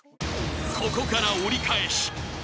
［ここから折り返し。笑